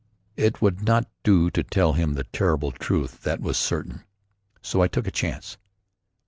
It would not do to tell him the terrible truth. That was certain. So I took a chance.